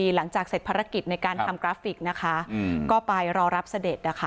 หลังจากเสร็จภารกิจในการทำกราฟิกนะคะก็ไปรอรับเสด็จนะคะ